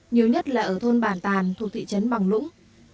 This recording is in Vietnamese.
nhiều nhất là ở thôn bản tàn thuộc thị trấn bằng lũng